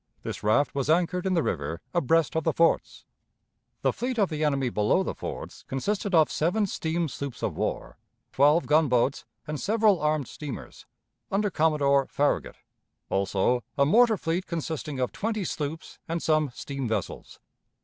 This raft was anchored in the river, abreast of the forts. The fleet of the enemy below the forts consisted of seven steam sloops of war, twelve gunboats, and several armed steamers, under Commodore Farragut; also, a mortar fleet consisting of twenty sloops and some steam vessels.